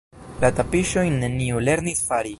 La tapiŝojn neniu lernis fari.